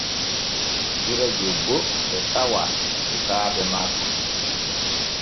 Gure jobbo ɓe tawa e sukaaɓe makko.